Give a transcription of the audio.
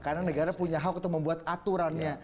karena negara punya hak untuk membuat aturannya